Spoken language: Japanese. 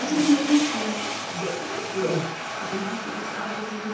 じゃあちょっとお願いして教えて頂いていいですか？